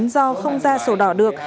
do không ra sổ đỏ được